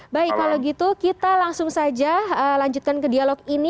baik kalau gitu kita langsung saja lanjutkan ke dialog ini